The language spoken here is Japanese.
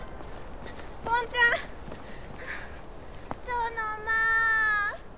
ソノマ！